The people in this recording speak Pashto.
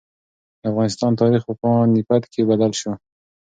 د افغانستان تاریخ په پاني پت کې بدل شو.